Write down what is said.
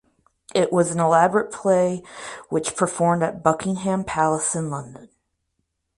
It was an elaborate play which performed at Buckingham Palace in London.